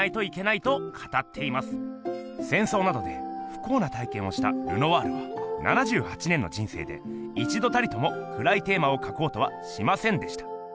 せんそうなどでふこうな体けんをしたルノワールは７８年の人生で一度たりともくらいテーマをかこうとはしませんでした。